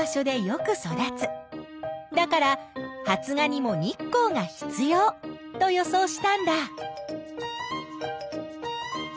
だから発芽にも日光が必要と予想したんだ。